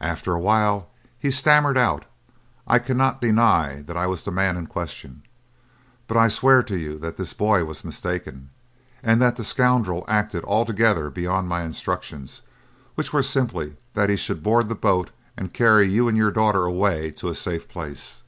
After a while he stammered out, "I cannot deny that I was the man in question; but I swear to you that this boy was mistaken, and that the scoundrel acted altogether beyond my instructions, which were simply that he should board the boat and carry you and your daughter away to a safe place."